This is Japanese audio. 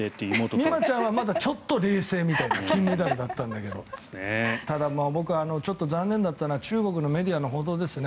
美誠ちゃんはちょっと冷静という金メダルだったんだけどただ僕が残念だったのは中国のメディアの報道ですね。